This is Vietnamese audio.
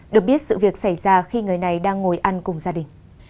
được biết sự việc xảy ra khi người này đang ngồi ăn cùng gia đình